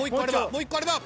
もう１個あれば。